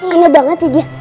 kena banget ya dia